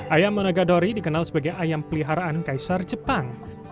ayam monagadori dikenal sebagai ayam peliharaan kaisar jepang